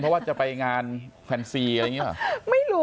เพราะว่าจะไปงานแฟนซีอะไรอย่างนี้หรอไม่รู้